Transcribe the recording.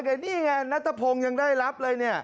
แต่นี่ไงนัทพงศ์ยังได้รับเลยเนี่ย